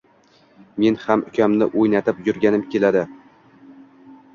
Men ham ukamni oʻynatib yurgim keladi